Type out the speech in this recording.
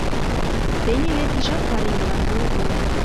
Тений вет ийжат пареҥгылан веле толын.